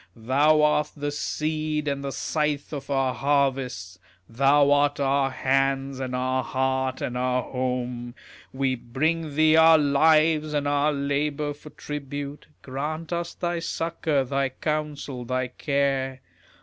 Thou art the Seed and the Scythe of our harvests, Thou art our Hands and our Heart and our Home. We bring thee our lives and our labours for tribute, Grant us thy succour, thy counsel, thy care.